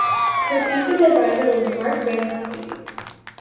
Her thesis advisor was Marc Van Montagu.